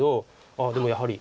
あっでもやはり。